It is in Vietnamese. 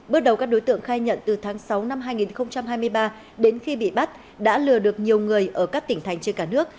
bước đầu các đối tượng khai nhận từ tháng sáu năm hai nghìn hai mươi ba đến khi bị bắt đã lừa được nhiều người ở các tỉnh thành trên cả nước